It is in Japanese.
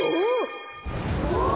お？